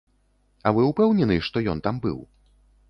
А вы ўпэўнены, што ён там быў?